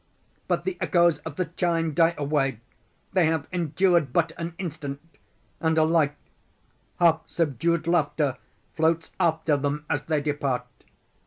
But the echoes of the chime die away—they have endured but an instant—and a light, half subdued laughter floats after them as they depart.